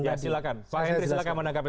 ya silakan pak hendri silakan menangkapi